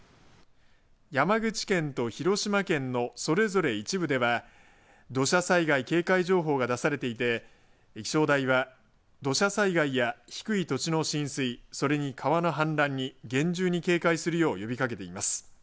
山口県と広島県のそれぞれ一部では土砂災害警戒情報が出されていて気象台は土砂災害や低い土地の浸水それに川の氾濫に厳重に警戒するよう呼びかけています。